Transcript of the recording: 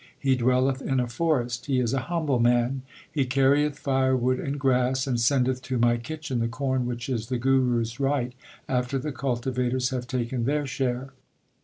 He dwell eth in a forest. He is a humble man. He carrieth firewood and grass, and sendeth to my kitchen the corn which is the Guru s right after the cultivators have taken their share.